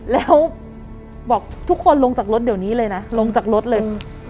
แล้วทุกคนลงจากรถเดี๋ยวลงจากรถเลย